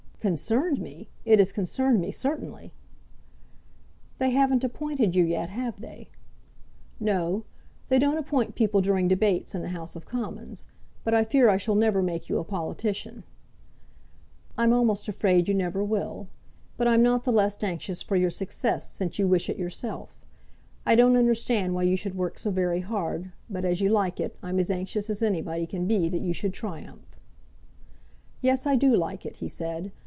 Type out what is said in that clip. "Concerned me! It has concerned me certainly." "They haven't appointed you yet; have they?" "No; they don't appoint people during debates, in the House of Commons. But I fear I shall never make you a politician." "I'm almost afraid you never will. But I'm not the less anxious for your success, since you wish it yourself. I don't understand why you should work so very hard; but, as you like it, I'm as anxious as anybody can be that you should triumph." "Yes; I do like it," he said.